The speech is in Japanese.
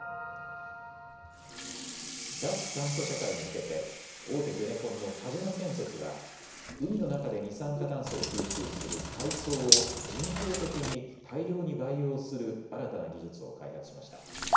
脱炭素社会に向けて、大手ゼネコンの鹿島建設は、海の中で二酸化炭素を吸収する海藻を、人工的に大量に培養する新たな技術を開発しました。